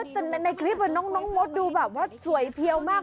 แต่ในคลิปดูดูสวยเที่ยวมาก